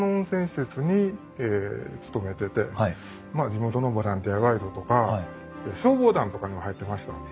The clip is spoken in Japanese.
地元のボランティアガイドとか消防団とかにも入ってました。